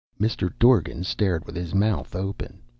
Mr. Dorgan stared with his mouth open.